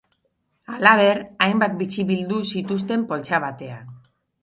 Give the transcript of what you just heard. Halaber, hainbat bitxi bildu zituzten poltsa batean.